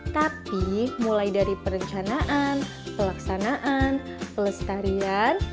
tapi mulai dari perencanaan pelaksanaan pelestarian